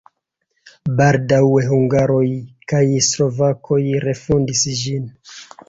Baldaŭe hungaroj kaj slovakoj refondis ĝin.